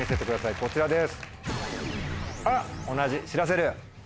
こちらです。